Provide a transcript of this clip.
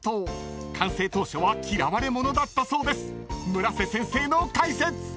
［村瀬先生の解説！］